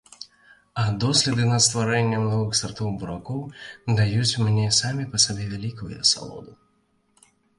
А доследы над стварэннем новых сартоў буракоў даюць мне самі па сабе вялікую асалоду.